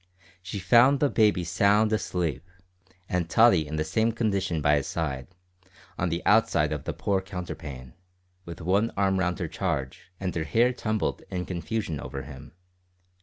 She found the baby sound asleep, and Tottie in the same condition by his side, on the outside of the poor counterpane, with one arm round her charge, and her hair tumbled in confusion over him.